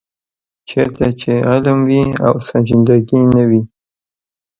چېرته چې علم وي او سنجیدګي نه وي.